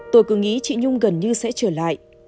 tôi cứ nghĩ chị nhung gần như sẽ trở lại